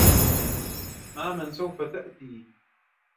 مع من سوف تأتي؟